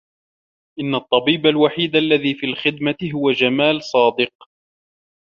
إنّ الطّبيب الوحيد الذي في الخدمة هو جمال صادق.